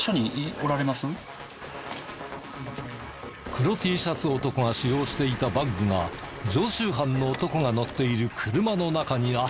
黒Ｔシャツ男が使用していたバッグが常習犯の男が乗っている車の中にあった。